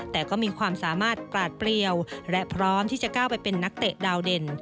แต่ก็มีความสามารถกราดเปรี้ยวและพร้อมที่จะก้าวไปเป็นนักเตะดาวเด่น